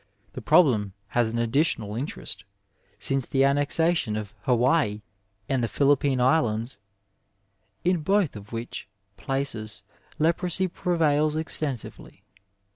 The problem has an additional interest since the annexation of Hawaii and the Philippine Islands, in both of which places leprosy prevails extensively.